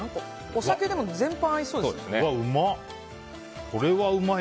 お酒、全般合いそうですね。